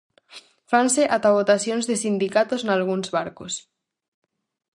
Fanse ata votasións de sindicatos nalgúns barcos.